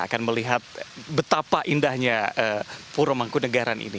akan melihat betapa indahnya purwomangkunegaraan ini